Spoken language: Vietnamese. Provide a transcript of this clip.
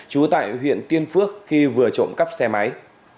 trú tại huyện tiên phước khi vừa trộm cắp xe máy